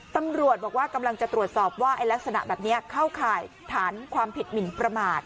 ตำรวจบอกว่ากำลังจะตรวจสอบว่าลักษณะแบบนี้เข้าข่ายฐานความผิดหมินประมาท